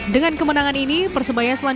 dengan kemenangan ini persebaya akan menang